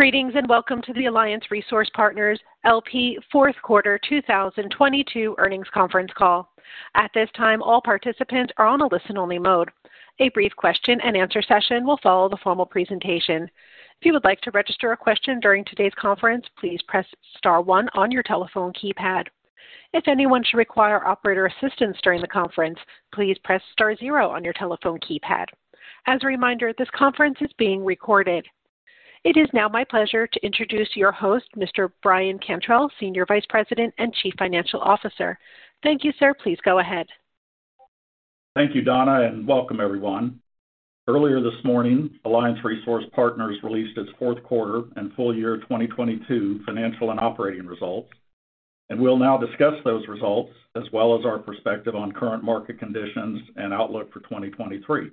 Greetings, and welcome to the Alliance Resource Partners, L.P. fourth quarter 2022 earnings conference call. At this time, all participants are on a listen-only mode. A brief question-and-answer session will follow the formal presentation. If you would like to register a question during today's conference, please press star one on your telephone keypad. If anyone should require operator assistance during the conference, please press star zero on your telephone keypad. As a reminder, this conference is being recorded. It is now my pleasure to introduce your host, Mr. Brian Cantrell, Senior Vice President and Chief Financial Officer. Thank you, sir. Please go ahead. Thank you, Donna. Welcome everyone. Earlier this morning, Alliance Resource Partners released its fourth quarter and full year 2022 financial and operating results. We'll now discuss those results as well as our perspective on current market conditions and outlook for 2023.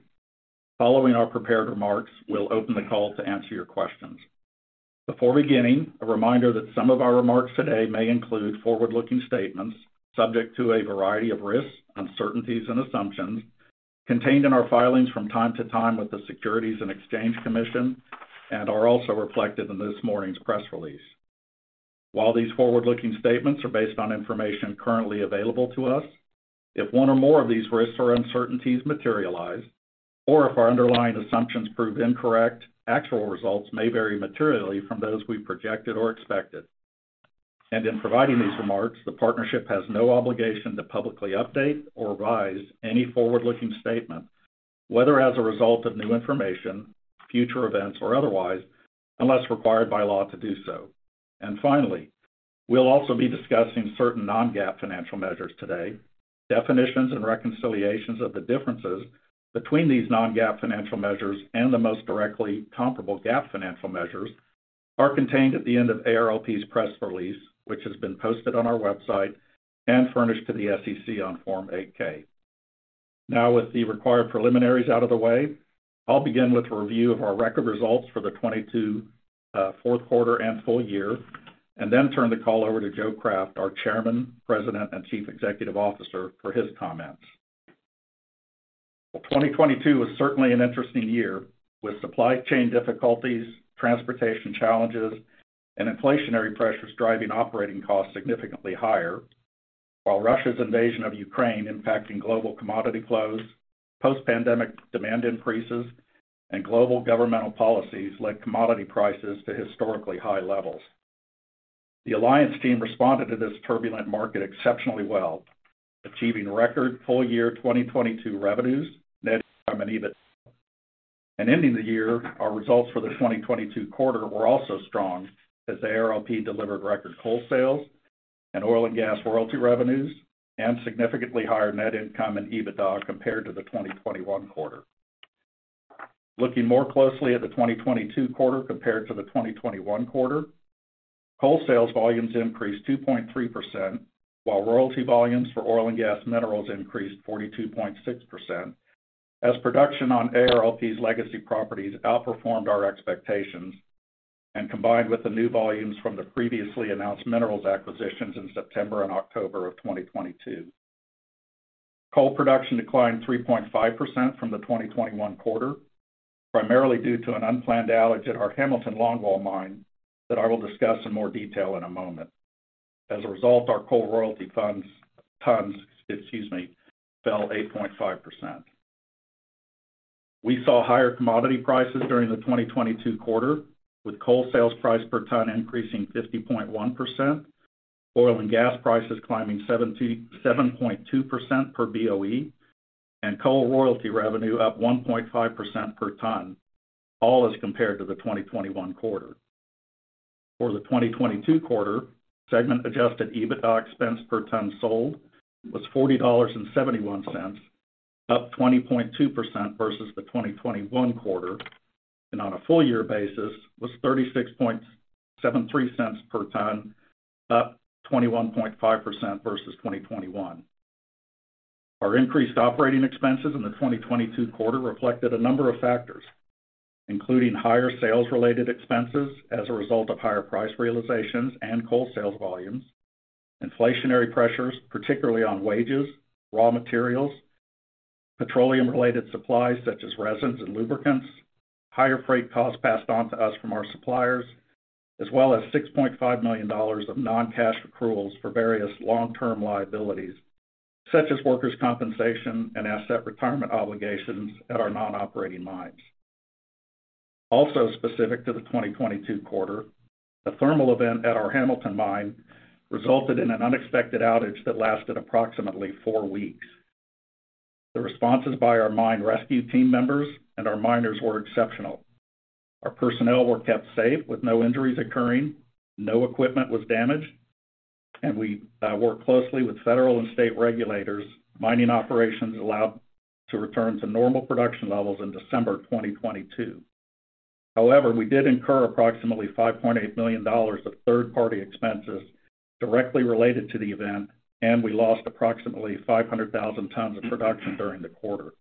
Following our prepared remarks, we'll open the call to answer your questions. Before beginning, a reminder that some of our remarks today may include forward-looking statements subject to a variety of risks, uncertainties, and assumptions contained in our filings from time to time with the Securities and Exchange Commission, and are also reflected in this morning's press release. While these forward-looking statements are based on information currently available to us, if one or more of these risks or uncertainties materialize, or if our underlying assumptions prove incorrect, actual results may vary materially from those we've projected or expected. In providing these remarks, the partnership has no obligation to publicly update or revise any forward-looking statement, whether as a result of new information, future events, or otherwise, unless required by law to do so. Finally, we'll also be discussing certain non-GAAP financial measures today. Definitions and reconciliations of the differences between these non-GAAP financial measures, and the most directly comparable GAAP financial measures are contained at the end of ARLP's press release, which has been posted on our website and furnished to the SEC on Form 8-K. Now with the required preliminaries out of the way, I'll begin with a review of our record results for the 2022 fourth quarter and full year, and then turn the call over to Joe Craft, our Chairman, President, and Chief Executive Officer for his comments. Well, 2022 was certainly an interesting year with supply chain difficulties, transportation challenges, and inflationary pressures driving operating costs significantly higher. While Russia's invasion of Ukraine impacting global commodity flows, post-pandemic demand increases, and global governmental policies led commodity prices to historically high levels. The Alliance team responded to this turbulent market exceptionally well, achieving record full year 2022 revenues, net income, and EBITDA. Ending the year, our results for the 2022 quarter were also strong as the ARLP delivered record coal sales and oil and gas royalty revenues, and significantly higher net income and EBITDA compared to the 2021 quarter. Looking more closely at the 2022 quarter compared to the 2021 quarter, coal sales volumes increased 2.3%, while royalty volumes for oil and gas minerals increased 42.6% as production on ARLP's legacy properties outperformed our expectations and combined with the new volumes from the previously announced minerals acquisitions in September and October of 2022. Coal production declined 3.5% from the 2021 quarter, primarily due to an unplanned outage at our Hamilton longwall mine that I will discuss in more detail in a moment. As a result, our coal royalty tons, excuse me, fell 8.5%. We saw higher commodity prices during the 2022 quarter, with coal sales price per ton increasing 50.1%, oil and gas prices climbing 77.2% per BOE, and coal royalty revenue up 1.5% per ton, all as compared to the 2021 quarter. For the 2022 quarter, Segment Adjusted EBITDA expense per ton sold was $40.71, up 20.2% versus the 2021 quarter, and on a full year basis was $0.3673 per ton, up 21.5% versus 2021. Our increased operating expenses in the 2022 quarter reflected a number of factors, including higher sales-related expenses as a result of higher price realizations and coal sales volumes, inflationary pressures, particularly on wages, raw materials, petroleum-related supplies such as resins and lubricants, higher freight costs passed on to us from our suppliers, as well as $6.5 million of non-cash accruals for various long-term liabilities, such as workers' compensation and asset retirement obligations at our non-operating mines. Also specific to the 2022 quarter, the thermal event at our Hamilton Mine resulted in an unexpected outage that lasted approximately four weeks. The responses by our mine rescue team members and our miners were exceptional. Our personnel were kept safe with no injuries occurring, no equipment was damaged, and we worked closely with federal and state regulators. Mining operations allowed to return to normal production levels in December 2022. However, we did incur approximately $5.8 million of third-party expenses directly related to the event, and we lost approximately 500,000 tons of production during the quarter.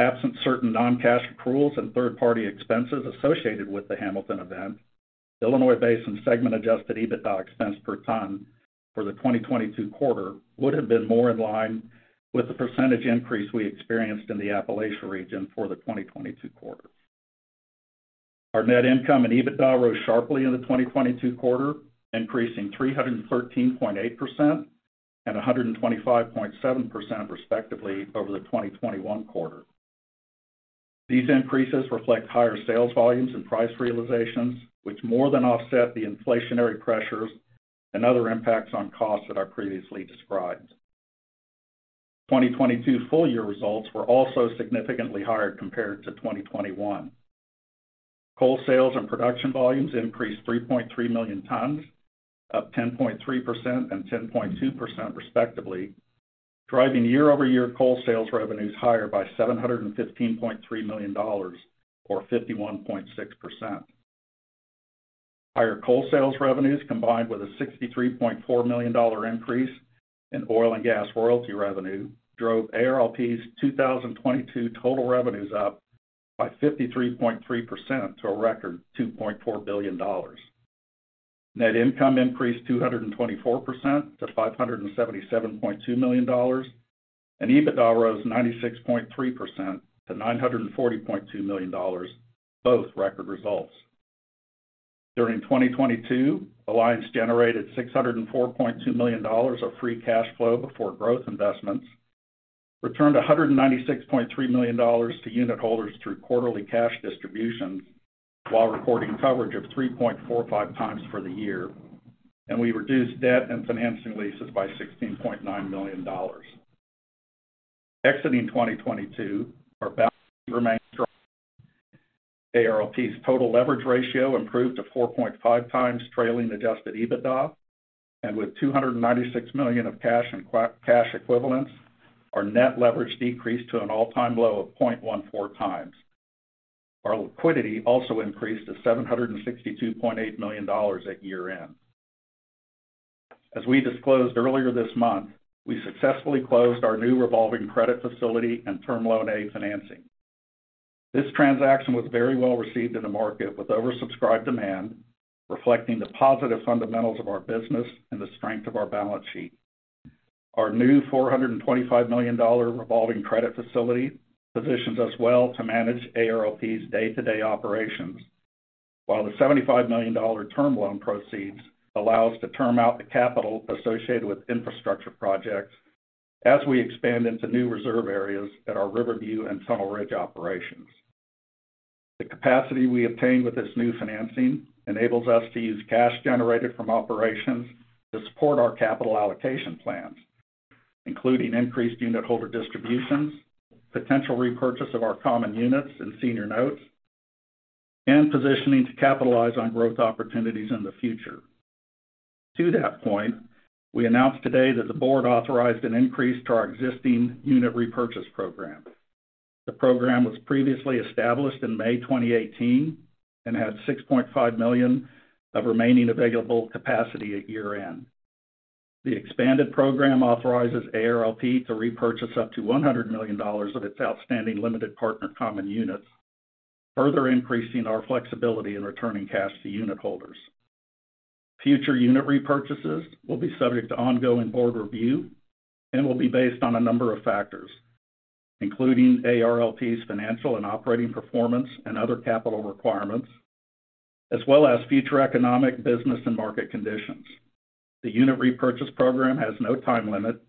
Absent certain non-cash accruals and third-party expenses associated with the Hamilton event-Illinois Basin Segment Adjusted EBITDA expense per ton for the 2022 quarter would have been more in line with the percentage increase we experienced in the Appalachia region for the 2022 quarter. Our net income and EBITDA rose sharply in the 2022 quarter, increasing 313.8% and 125.7% respectively over the 2021 quarter. These increases reflect higher sales volumes and price realizations, which more than offset the inflationary pressures and other impacts on costs that I previously described. 2022 full year results were also significantly higher compared to 2021. Coal sales and production volumes increased 3.3 million tons, up 10.3% and 10.2% respectively, driving year-over-year coal sales revenues higher by $715.3 million or 51.6%. Higher coal sales revenues, combined with a $63.4 million increase in oil and gas royalty revenue, drove ARLP's 2022 total revenues up by 53.3% to a record $2.4 billion. Net income increased 224% to $577.2 million, and EBITDA rose 96.3% to $940.2 million. Both record results. During 2022, Alliance generated $604.2 million of free cash flow before growth investments, returned $196.3 million to unit holders through quarterly cash distributions, while reporting coverage of 3.45x for the year. We reduced debt and financing leases by $16.9 million. Exiting 2022, our balance sheet remains strong. ARLP's total leverage ratio improved to 4.5x trailing adjusted EBITDA. With $296 million of cash and cash equivalents, our net leverage decreased to an all-time low of 0.14x. Our liquidity also increased to $762.8 million at year-end. As we disclosed earlier this month, we successfully closed our new revolving credit facility and Term Loan A financing. This transaction was very well received in the market with oversubscribed demand, reflecting the positive fundamentals of our business and the strength of our balance sheet. Our new $425 million revolving credit facility positions us well to manage ARLP's day-to-day operations, while the $75 million term loan proceeds allow us to term out the capital associated with infrastructure projects as we expand into new reserve areas at our Riverview and Tunnel Ridge operations. The capacity we obtained with this new financing enables us to use cash generated from operations to support our capital allocation plans, including increased unitholder distributions, potential repurchase of our common units and senior notes, and positioning to capitalize on growth opportunities in the future. To that point, we announced today that the board authorized an increase to our existing unit repurchase program. The program was previously established in May 2018, and had $6.5 million of remaining available capacity at year-end. The expanded program authorizes ARLP to repurchase up to $100 million of its outstanding limited partner common units, further increasing our flexibility in returning cash to unitholders. Future unit repurchases will be subject to ongoing board review and will be based on a number of factors, including ARLP's financial and operating performance and other capital requirements, as well as future economic, business, and market conditions. The unit repurchase program has no time limit,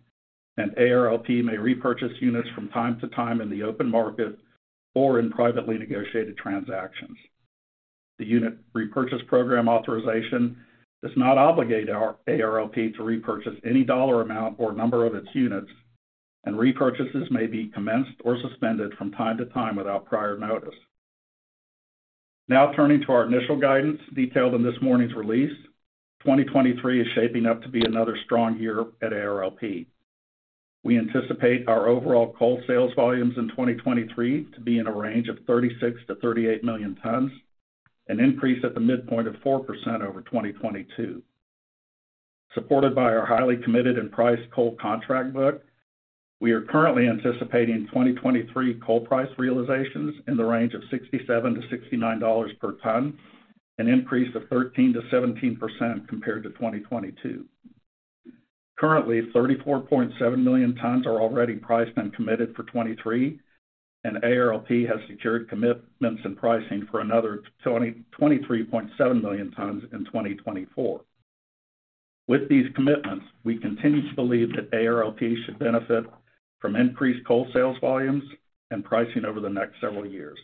and ARLP may repurchase units from time to time in the open market or in privately negotiated transactions. The unit repurchase program authorization does not obligate ARLP to repurchase any dollar amount or number of its units, and repurchases may be commenced or suspended from time to time without prior notice. Now turning to our initial guidance detailed in this morning's release. 2023 is shaping up to be another strong year at ARLP. We anticipate our overall coal sales volumes in 2023 to be in a range of 36 million-38 million tons, an increase at the midpoint of 4% over 2022. Supported by our highly committed and priced coal contract book, we are currently anticipating 2023 coal price realizations in the range of $67-$69 per ton, an increase of 13%-17% compared to 2022. Currently, 34.7 million tons are already priced and committed for 2023, and ARLP has secured commitments and pricing for another 23.7 million tons in 2024. With these commitments, we continue to believe that ARLP should benefit from increased coal sales volumes and pricing over the next several years.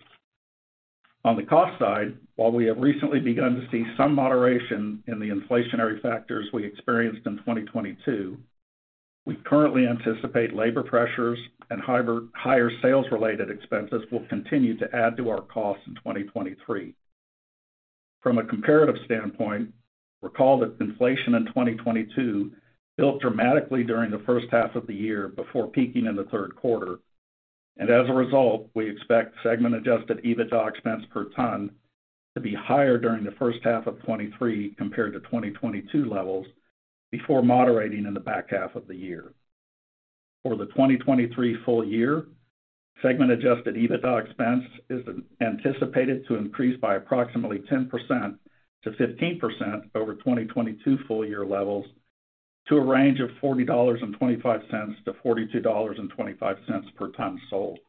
On the cost side, while we have recently begun to see some moderation in the inflationary factors we experienced in 2022, we currently anticipate labor pressures and higher sales related expenses will continue to add to our costs in 2023. From a comparative standpoint, recall that inflation in 2022 built dramatically during the first half of the year before peaking in the third quarter. As a result, we expect Segment Adjusted EBITDA expense per ton to be higher during the first half of 2023 compared to 2022 levels before moderating in the back half of the year. For the 2023 full year, Segment Adjusted EBITDA expense is anticipated to increase by approximately 10%-15% over 2022 full year levels to a range of $40.25-$42.25 per ton sold.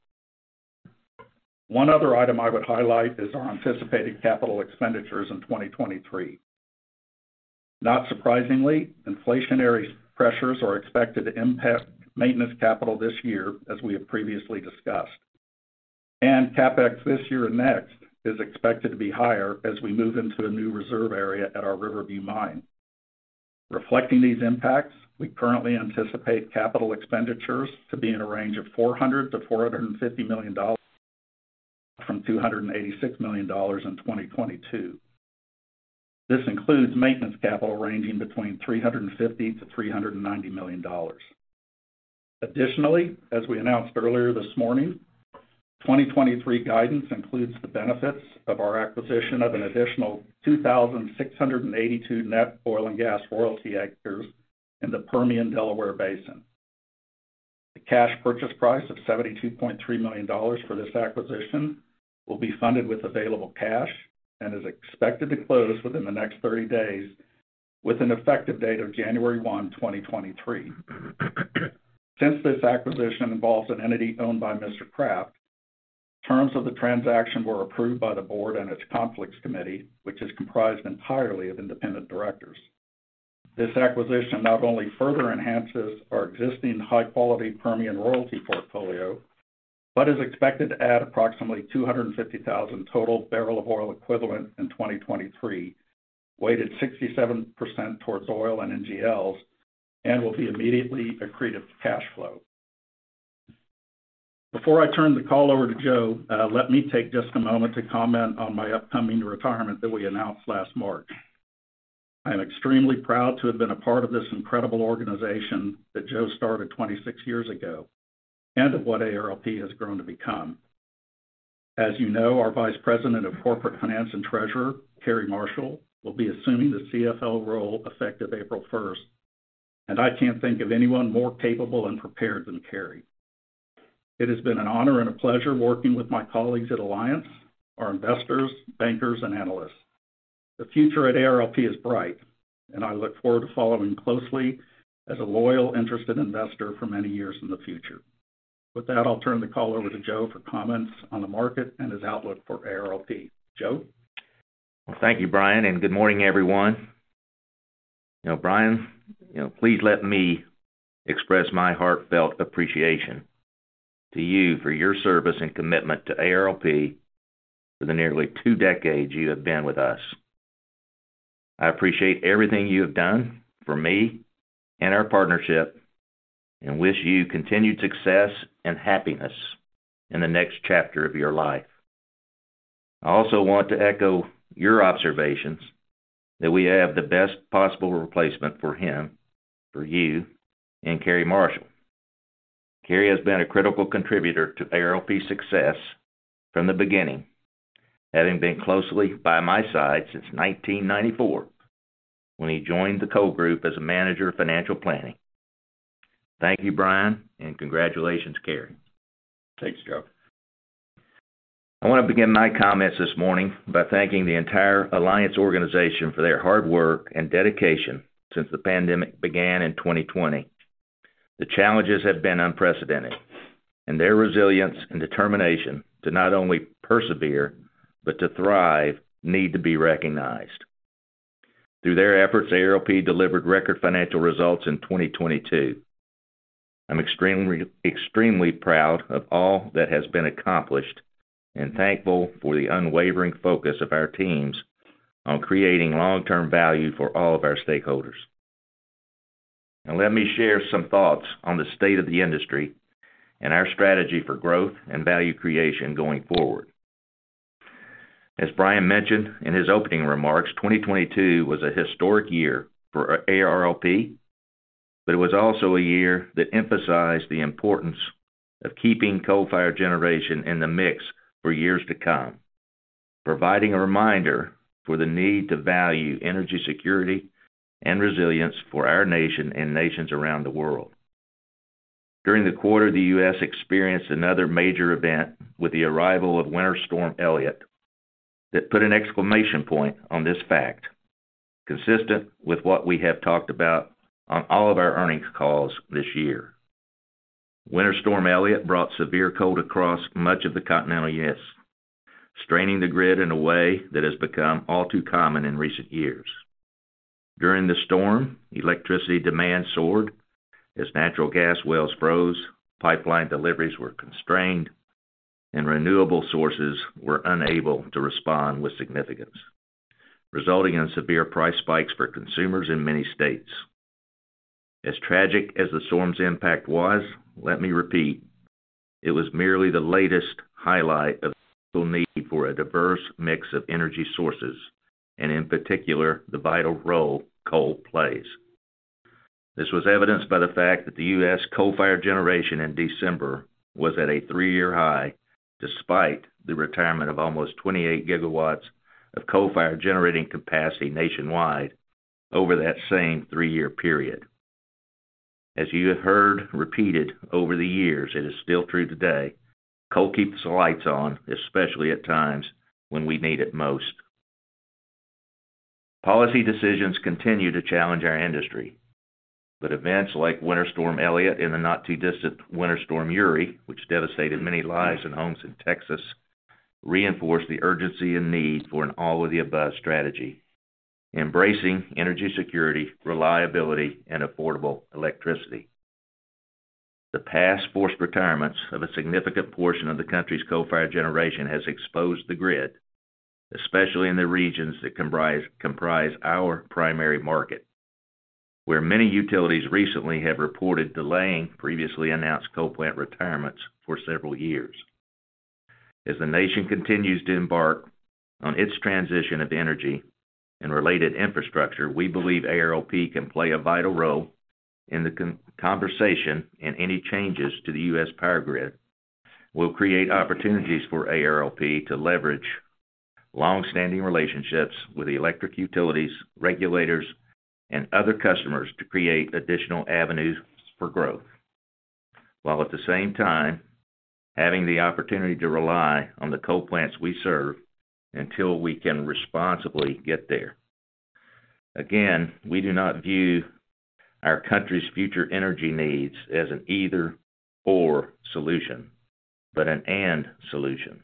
One other item I would highlight is our anticipated capital expenditures in 2023. Not surprisingly, inflationary pressures are expected to impact maintenance capital this year, as we have previously discussed. CapEx this year and next is expected to be higher as we move into a new reserve area at our Riverview Mine. Reflecting these impacts, we currently anticipate capital expenditures to be in a range of $400 million-$450 million from $286 million in 2022. This includes maintenance capital ranging between $350 million and $390 million. Additionally, as we announced earlier this morning, 2023 guidance includes the benefits of our acquisition of an additional 2,682 net oil and gas royalty acres in the Permian Delaware Basin. The cash purchase price of $72.3 million for this acquisition will be funded with available cash, and is expected to close within the next 30 days with an effective date of January 1, 2023. Since this acquisition involves an entity owned by Mr. Craft, terms of the transaction were approved by the board and its conflicts committee, which is comprised entirely of independent directors. This acquisition not only further enhances our existing high-quality Permian royalty portfolio, but is expected to add approximately 250,000 total barrel of oil equivalent in 2023, weighted 67% towards oil and NGLs, and will be immediately accretive to cash flow. Before I turn the call over to Joe, let me take just a moment to comment on my upcoming retirement that we announced last March. I am extremely proud to have been a part of this incredible organization that Joe started 26 years ago and of what ARLP has grown to become. As you know, our vice president of corporate finance and treasurer, Cary Marshall, will be assuming the CFO role effective April 1st, and I can't think of anyone more capable and prepared than Cary. It has been an honor and a pleasure working with my colleagues at Alliance, our investors, bankers, and analysts. The future at ARLP is bright, and I look forward to following closely as a loyal, interested investor for many years in the future. With that, I'll turn the call over to Joe for comments on the market and his outlook for ARLP. Joe? Well, thank you, Brian, and good morning, everyone. You know, Brian, you know, please let me express my heartfelt appreciation to you for your service and commitment to ARLP for the nearly two decades you have been with us. I appreciate everything you have done for me and our partnership, and wish you continued success and happiness in the next chapter of your life. I also want to echo your observations that we have the best possible replacement for him, for you, in Cary Marshall. Cary has been a critical contributor to ARLP's success from the beginning, having been closely by my side since 1994 when he joined the coal group as a manager of financial planning. Thank you, Brian, and congratulations, Cary. Thanks, Joe. I want to begin my comments this morning by thanking the entire Alliance organization for their hard work and dedication since the pandemic began in 2020. The challenges have been unprecedented. Their resilience and determination to not only persevere but to thrive need to be recognized. Through their efforts, ARLP delivered record financial results in 2022. I'm extremely proud of all that has been accomplished and thankful for the unwavering focus of our teams on creating long-term value for all of our stakeholders. Now, let me share some thoughts on the state of the industry and our strategy for growth and value creation going forward. As Brian mentioned in his opening remarks, 2022 was a historic year for A-ARLP, but it was also a year that emphasized the importance of keeping coal-fired generation in the mix for years to come, providing a reminder for the need to value energy security and resilience for our nation and nations around the world. During the quarter, the U.S. experienced another major event with the arrival of Winter Storm Elliott that put an exclamation point on this fact, consistent with what we have talked about on all of our earnings calls this year. Winter Storm Elliott brought severe cold across much of the continental U.S., straining the grid in a way that has become all too common in recent years. During the storm, electricity demand soared as natural gas wells froze, pipeline deliveries were constrained, and renewable sources were unable to respond with significance, resulting in severe price spikes for consumers in many states. As tragic as the storm's impact was, let me repeat, it was merely the latest highlight of the need for a diverse mix of energy sources, and in particular, the vital role coal plays. This was evidenced by the fact that the U.S. coal-fired generation in December was at a three-year high despite the retirement of almost 28 GW of coal fire generating capacity nationwide over that same three-year period. As you have heard repeated over the years, it is still true today, coal keeps the lights on, especially at times when we need it most. Policy decisions continue to challenge our industry. Events like Winter Storm Elliott and the not too distant Winter Storm Uri, which devastated many lives and homes in Texas, reinforce the urgency and need for an all of the above strategy, embracing energy security, reliability, and affordable electricity. The past forced retirements of a significant portion of the country's coal-fired generation has exposed the grid, especially in the regions that comprise our primary market, where many utilities recently have reported delaying previously announced coal plant retirements for several years. As the nation continues to embark on its transition of energy and related infrastructure, we believe ARLP can play a vital role in the conversation and any changes to the U.S. power grid will create opportunities for ARLP to leverage long-standing relationships with the electric utilities, regulators, and other customers to create additional avenues for growth, while at the same time having the opportunity to rely on the coal plants we serve until we can responsibly get there. Again, we do not view our country's future energy needs as an either/or solution, but an and solution,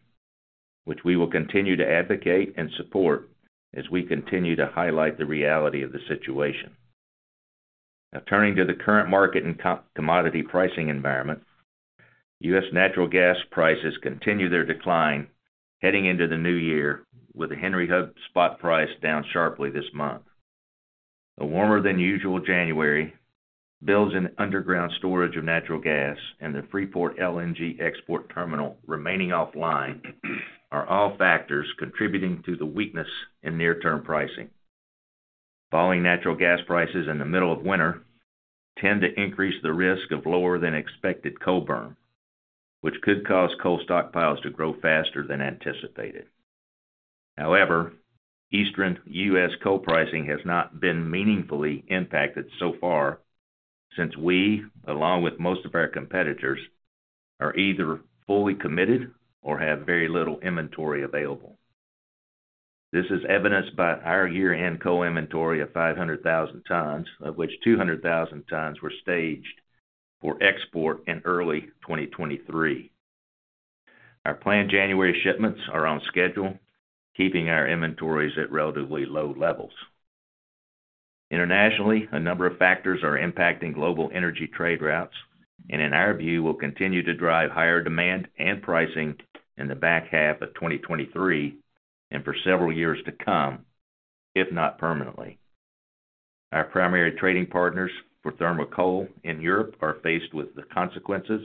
which we will continue to advocate and support as we continue to highlight the reality of the situation. Turning to the current market and commodity pricing environment, U.S. natural gas prices continue their decline heading into the new year with the Henry Hub spot price down sharply this month. A warmer than usual January builds in underground storage of natural gas and the Freeport LNG export terminal remaining offline are all factors contributing to the weakness in near-term pricing. Falling natural gas prices in the middle of winter tend to increase the risk of lower than expected coal burn, which could cause coal stockpiles to grow faster than anticipated. However, Eastern US coal pricing has not been meaningfully impacted so far since we, along with most of our competitors, are either fully committed or have very little inventory available. This is evidenced by our year-end coal inventory of 500,000 tons, of which 200,000 tons were staged for export in early 2023. Our planned January shipments are on schedule, keeping our inventories at relatively low levels. Internationally, a number of factors are impacting global energy trade routes, and in our view will continue to drive higher demand and pricing in the back half of 2023 and for several years to come, if not permanently. Our primary trading partners for thermal coal in Europe are faced with the consequences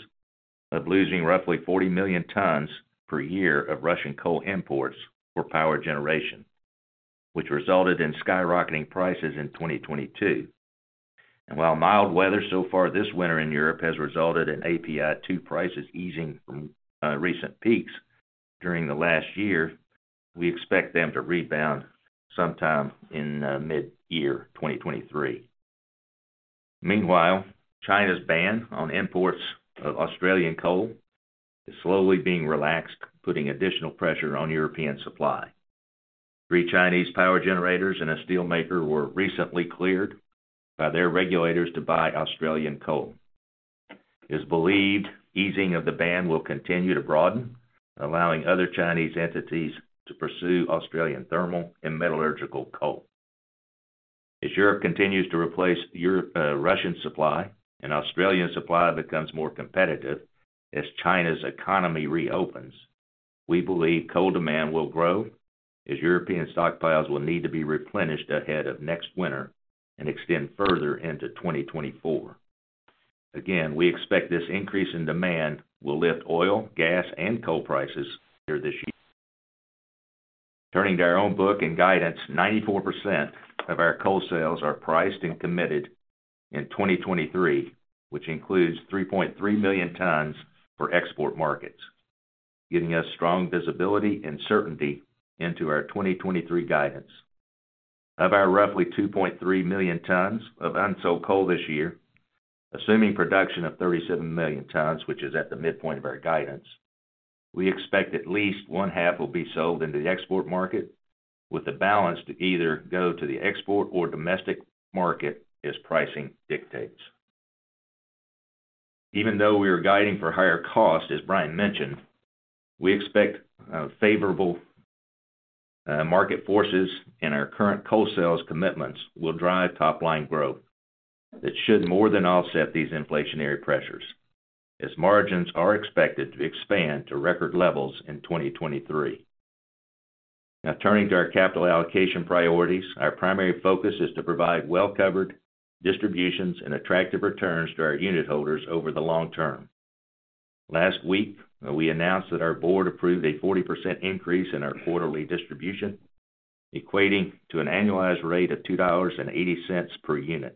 of losing roughly 40 million tons per year of Russian coal imports for power generation, which resulted in skyrocketing prices in 2022. While mild weather so far this winter in Europe has resulted in API two prices easing from recent peaks during the last year, we expect them to rebound sometime in mid-year 2023. Meanwhile, China's ban on imports of Australian coal is slowly being relaxed, putting additional pressure on European supply. Three Chinese power generators and a steelmaker were recently cleared by their regulators to buy Australian coal. It is believed easing of the ban will continue to broaden, allowing other Chinese entities to pursue Australian thermal and metallurgical coal. As Europe continues to replace Russian supply and Australian supply becomes more competitive as China's economy reopens, we believe coal demand will grow as European stockpiles will need to be replenished ahead of next winter and extend further into 2024. We expect this increase in demand will lift oil, gas, and coal prices later this year. Turning to our own book and guidance, 94% of our coal sales are priced and committed in 2023, which includes 3.3 million tons for export markets, giving us strong visibility and certainty into our 2023 guidance. Of our roughly 2.3 million tons of unsold coal this year, assuming production of 37 million tons, which is at the midpoint of our guidance, we expect at least one half will be sold into the export market with the balance to either go to the export or domestic market as pricing dictates. Even though we are guiding for higher costs, as Brian mentioned, we expect favorable market forces and our current coal sales commitments will drive top-line growth that should more than offset these inflationary pressures as margins are expected to expand to record levels in 2023. Now turning to our capital allocation priorities. Our primary focus is to provide well-covered distributions and attractive returns to our unit holders over the long term. Last week, we announced that our board approved a 40% increase in our quarterly distribution, equating to an annualized rate of $2.80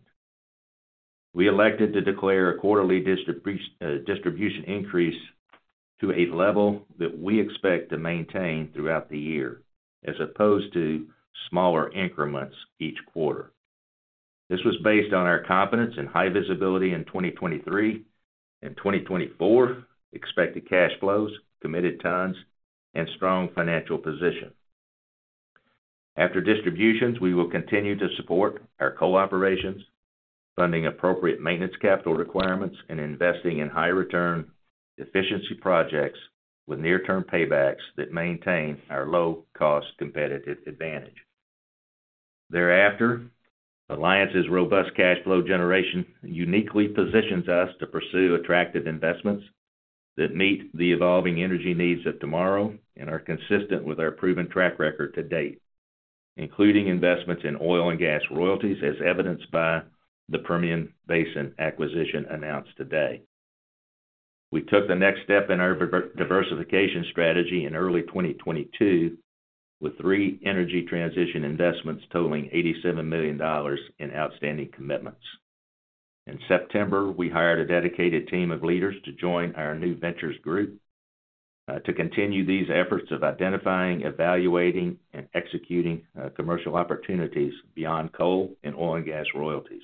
per unit. We elected to declare a quarterly distribution increase to a level that we expect to maintain throughout the year, as opposed to smaller increments each quarter. This was based on our confidence and high visibility in 2023 and 2024 expected cash flows, committed tons, and strong financial position. After distributions, we will continue to support our coal operations, funding appropriate maintenance capital requirements, and investing in high return efficiency projects with near-term paybacks that maintain our low-cost competitive advantage. Thereafter, Alliance's robust cash flow generation uniquely positions us to pursue attractive investments that meet the evolving energy needs of tomorrow, and are consistent with our proven track record to date, including investments in oil and gas royalties, as evidenced by the Permian Basin acquisition announced today. We took the next step in our diversification strategy in early 2022, with three energy transition investments totaling $87 million in outstanding commitments. In September, we hired a dedicated team of leaders to join our new ventures group to continue these efforts of identifying, evaluating, and executing commercial opportunities beyond coal and oil and gas royalties.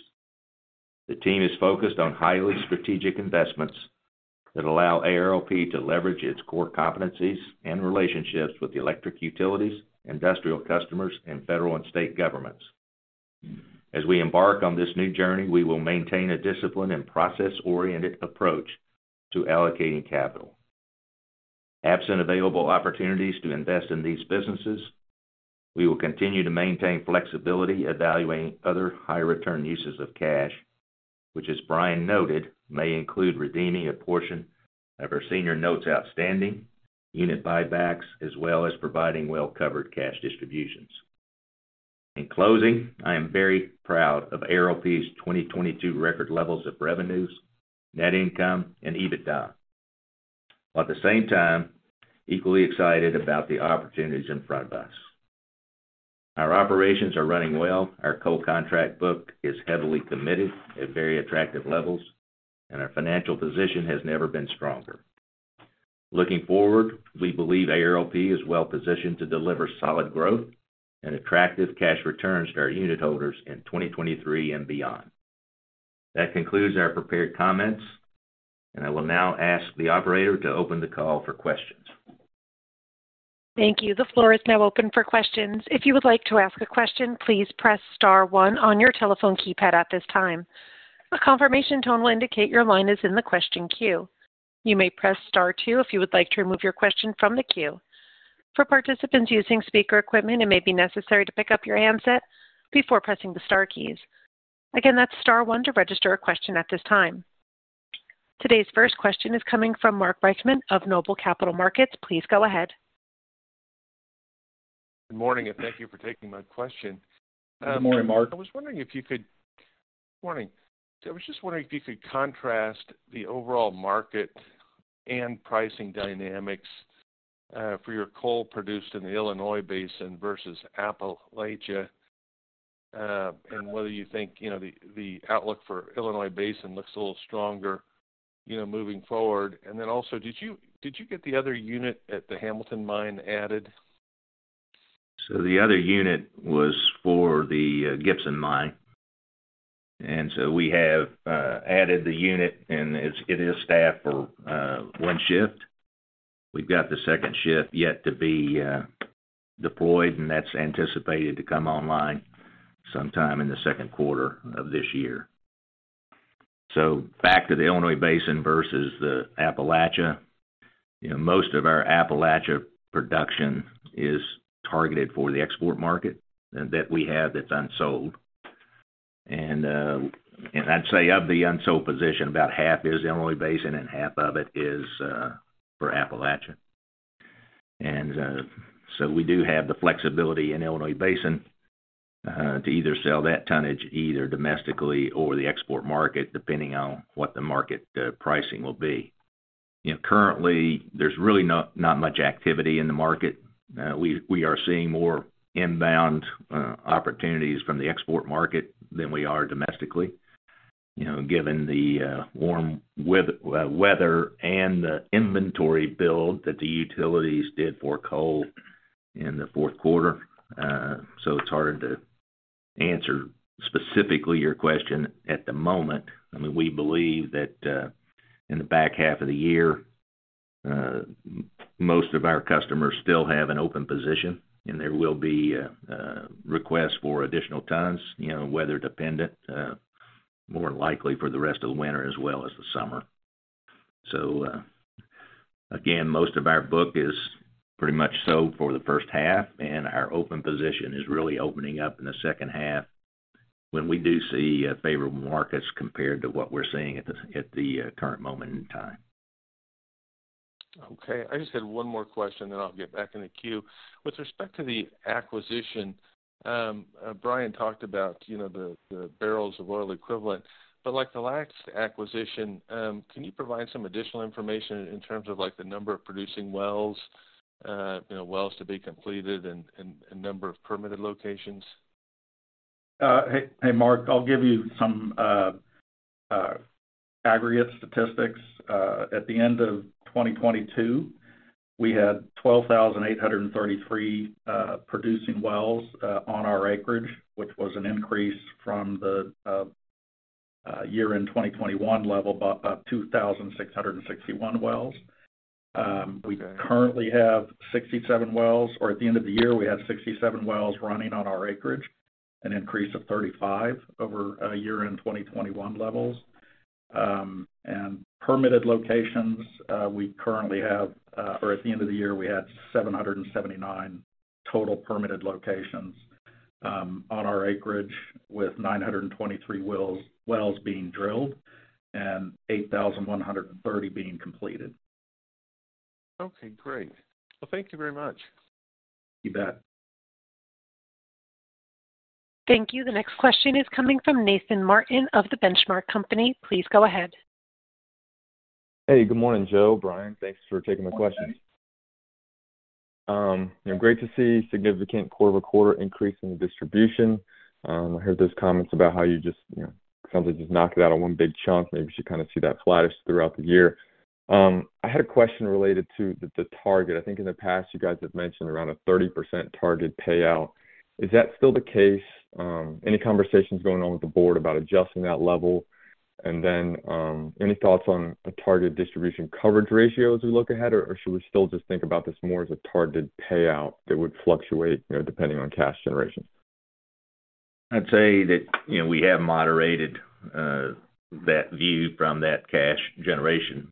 The team is focused on highly strategic investments that allow ARLP to leverage its core competencies and relationships with electric utilities, industrial customers, and federal and state governments. As we embark on this new journey, we will maintain a disciplined and process-oriented approach to allocating capital. Absent available opportunities to invest in these businesses, we will continue to maintain flexibility evaluating other high return uses of cash, which as Brian noted, may include redeeming a portion of our senior notes outstanding, unit buybacks, as well as providing well-covered cash distributions. In closing, I am very proud of ARLP's 2022 record levels of revenues, net income, and EBITDA. At the same time, equally excited about the opportunities in front of us. Our operations are running well. Our coal contract book is heavily committed at very attractive levels, and our financial position has never been stronger. Looking forward, we believe ARLP is well-positioned to deliver solid growth and attractive cash returns to our unit holders in 2023 and beyond. That concludes our prepared comments. I will now ask the operator to open the call for questions. Thank you. The floor is now open for questions. If you would like to ask a question, please press star one on your telephone keypad at this time. A confirmation tone will indicate your line is in the question queue. You may press star two if you would like to remove your question from the queue. For participants using speaker equipment, it may be necessary to pick up your handset before pressing the star keys. Again, that's star one to register a question at this time. Today's first question is coming from Mark Reichman of Noble Capital Markets. Please go ahead. Good morning, and thank you for taking my question. Good morning, Mark. Morning. I was just wondering if you could contrast the overall market and pricing dynamics for your coal produced in the Illinois Basin versus Appalachia, and whether you think, you know, the outlook for Illinois Basin looks a little stronger, you know, moving forward? Then also, did you get the other unit at the Hamilton Mine added? The other unit was for the Gibson Mine. We have added the unit and it is staffed for one shift. We've got the 2nd shift yet to be deployed, and that's anticipated to come online sometime in the 2nd quarter of this year. Back to the Illinois Basin versus the Appalachia. You know, most of our Appalachia production is targeted for the export market, and that we have that's unsold. I'd say of the unsold position, about half is Illinois Basin and half of it is for Appalachia. We do have the flexibility in Illinois Basin to either sell that tonnage either domestically or the export market, depending on what the market pricing will be. You know, currently there's really not much activity in the market. We are seeing more inbound opportunities from the export market than we are domestically, you know, given the warm weather and the inventory build that the utilities did for coal in the fourth quarter. It's hard to answer specifically your question at the moment. I mean, we believe that in the back half of the year, most of our customers still have an open position, and there will be requests for additional tons, you know, weather dependent, more likely for the rest of the winter as well as the summer. Again, most of our book is pretty much sold for the first half, and our open position is really opening up in the second half when we do see favorable markets compared to what we're seeing at the current moment in time. I just had one more question. I'll get back in the queue. With respect to the acquisition, Brian talked about, you know, the barrels of oil equivalent. Like the last acquisition, can you provide some additional information in terms of, like, the number of producing wells? You know, wells to be completed and number of permitted locations. Hey Mark, I'll give you some aggregate statistics. At the end of 2022, we had 12,833 producing wells on our acreage, which was an increase from the year-end 2021 level by 2,661 wells. Okay. We currently have 67 wells or at the end of the year, we had 67 wells running on our acreage, an increase of 35 over year-end 2021 levels. Permitted locations, we currently have or at the end of the year we had 779 total permitted locations on our acreage with 923 wells being drilled and 8,130 being completed. Okay, great. Well, thank you very much. You bet. Thank you. The next question is coming from Nathan Martin of The Benchmark Company. Please go ahead. Hey, good morning, Joe, Brian. Thanks for taking my questions. Good morning. You know, great to see significant quarter-over-quarter increase in the distribution. I heard those comments about how you just, you know, sometimes just knock it out on one big chunk. Maybe we should kind of see that flattish throughout the year. I had a question related to the target. I think in the past you guys have mentioned around a 30% target payout. Is that still the case? Any conversations going on with the board about adjusting that level? Then, any thoughts on a target distribution coverage ratio as we look ahead? Or should we still just think about this more as a targeted payout that would fluctuate, you know, depending on cash generation? I'd say that, you know, we have moderated that view from that cash generation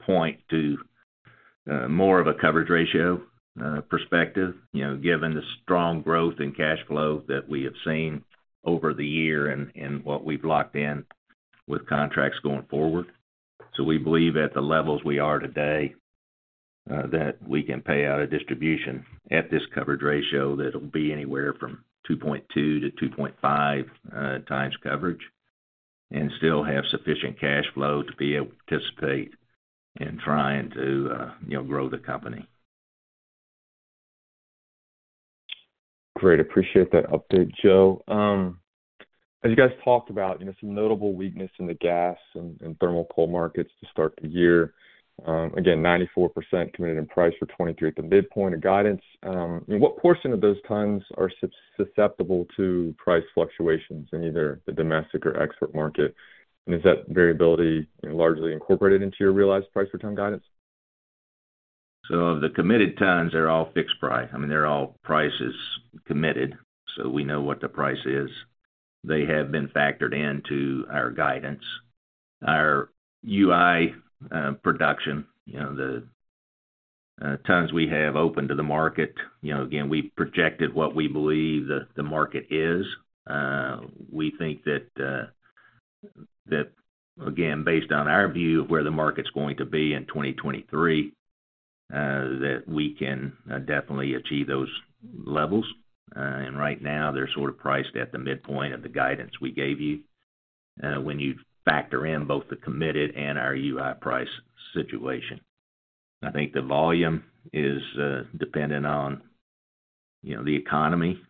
point to more of a coverage ratio perspective, you know, given the strong growth in cash flow that we have seen over the year and what we've locked in with contracts going forward. We believe at the levels we are today that we can pay out a distribution at this coverage ratio that'll be anywhere from 2.2-2.5x coverage and still have sufficient cash flow to be able to participate in trying to, you know, grow the company. Great. Appreciate that update, Joe. As you guys talked about, you know, some notable weakness in the gas and thermal coal markets to start the year. Again, 94% committed in price for 2023 at the midpoint of guidance. I mean, what portion of those tons are susceptible to price fluctuations in either the domestic or export market? Is that variability largely incorporated into your realized price return guidance? The committed tons are all fixed price. I mean, they're all prices committed, so we know what the price is. They have been factored into our guidance. Our UI production, you know, the tons we have open to the market, you know, again, we projected what we believe the market is. We think that again, based on our view of where the market's going to be in 2023, that we can definitely achieve those levels. Right now they're sort of priced at the midpoint of the guidance we gave you, when you factor in both the committed and our UI price situation. I think the volume is dependent on, you know, the economy.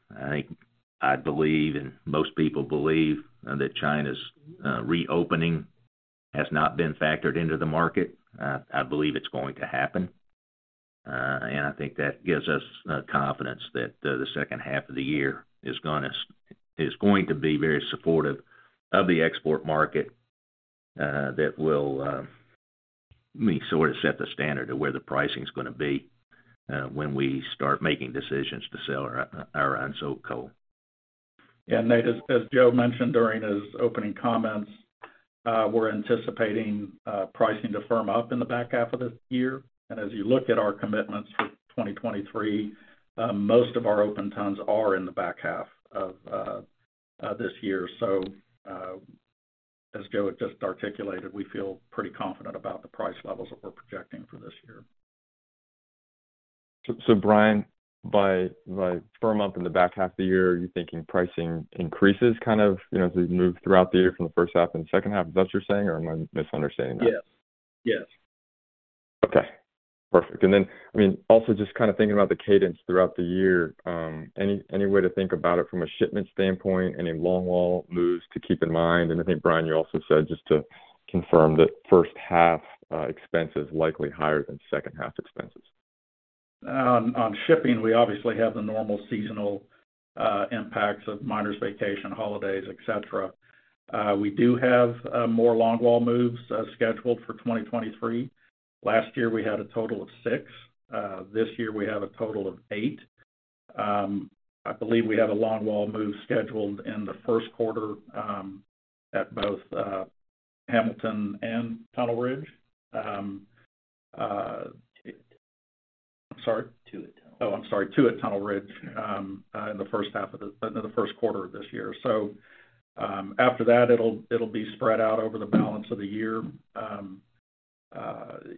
I believe, and most people believe, that China's reopening has not been factored into the market. I believe it's going to happen. I think that gives us confidence that the second half of the year is going to be very supportive of the export market, that will, I mean, sort of set the standard of where the pricing's gonna be, when we start making decisions to sell our unsold coal. Yeah. Nate, as Joe mentioned during his opening comments, we're anticipating pricing to firm up in the back half of this year. As you look at our commitments for 2023, most of our open tons are in the back half of this year. As Joe just articulated, we feel pretty confident about the price levels that we're projecting for this year. Brian, by firm up in the back half of the year, are you thinking pricing increases kind of, you know, as we move throughout the year from the first half and second half? Is that what you're saying or am I misunderstanding that? Yes. Yes. Okay. Perfect. I mean, also just kind of thinking about the cadence throughout the year, any way to think about it from a shipment standpoint? Any longwall moves to keep in mind? I think, Brian, you also said, just to confirm, that first half, expense is likely higher than second half expenses. On shipping, we obviously have the normal seasonal impacts of miners' vacation, holidays, et cetera. We do have more longwall moves scheduled for 2023. Last year we had a total of six. This year we have a total of eight. I believe we have a longwall move scheduled in the first quarter at both Hamilton and Tunnel Ridge. Two at Tunnel Ridge. I'm sorry? Two at Tunnel Ridge. Oh, I'm sorry. Two at Tunnel Ridge, in the first half of the-- in the first quarter of this year. After that it'll be spread out over the balance of the year.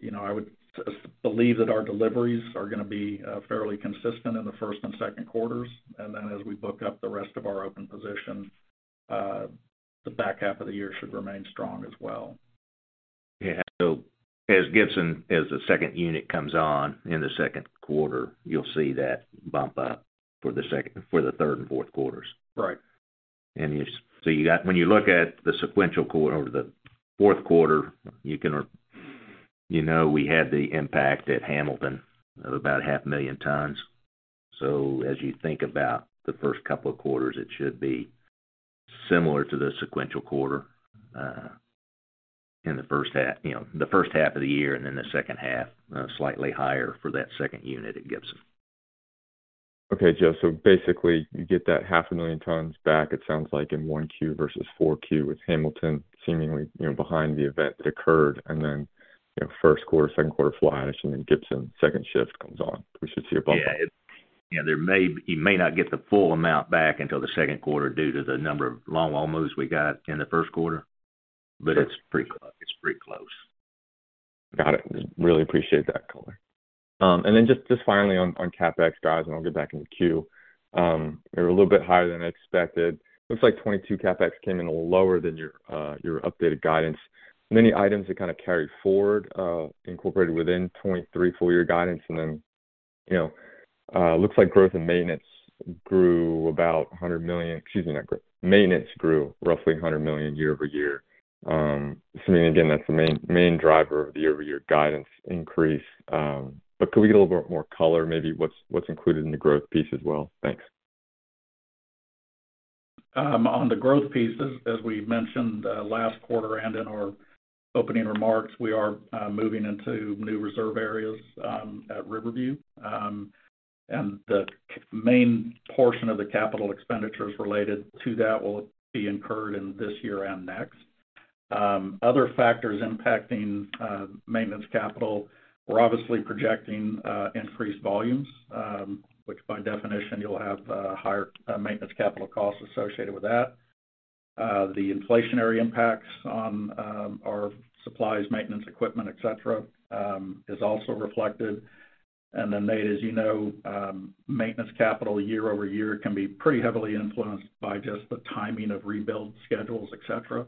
You know, I would believe that our deliveries are gonna be fairly consistent in the first and second quarters, and then as we book up the rest of our open positions, the back half of the year should remain strong as well. Yeah. As Gibson, as the 2nd unit comes on in the 2nd quarter, you'll see that bump up for the 3rd and 4th quarters. Right. When you look at the sequential quarter over the fourth quarter, you know, we had the impact at Hamilton of about half a million tons. As you think about the first couple of quarters, it should be similar to the sequential quarter, in the first half, you know, the first half of the year and then the second half, slightly higher for that second unit at Gibson. Okay, Joe. Basically, you get that half a million tons back, it sounds like in 1Q versus 4Q with Hamilton seemingly, you know, behind the event that occurred and then, you know, first quarter, second quarter fly ash and then Gibson second shift comes on. We should see a bump up. Yeah. Yeah, you may not get the full amount back until the second quarter due to the number of longwall moves we got in the first quarter, but it's pretty close. Got it. Really appreciate that color. Then just finally on CapEx, guys, and I'll get back in queue. They were a little bit higher than expected. Looks like 2022 CapEx came in a little lower than your updated guidance. Many items that kinda carried forward, incorporated within 2023 full year guidance. Then, you know, looks like growth and maintenance grew about $100 million. Excuse me. Maintenance grew roughly $100 million year-over-year. Assuming again, that's the main driver of the year-over-year guidance increase. Could we get a little bit more color maybe what's included in the growth piece as well? Thanks. Um, on the growth pieces, as we mentioned, uh, last quarter and in our opening remarks, we are, uh, moving into new reserve areas, um, at Riverview. Um, and the k- main portion of the capital expenditures related to that will be incurred in this year and next. Um, other factors impacting, uh, maintenance capital, we're obviously projecting, uh, increased volumes, um, which by definition you'll have, uh, higher, uh, maintenance capital costs associated with that. Uh, the inflationary impacts on, um, our supplies, maintenance, equipment, et cetera, um, is also reflected. And then Nate, as you know, um, maintenance capital year over year can be pretty heavily influenced by just the timing of rebuild schedules, et cetera.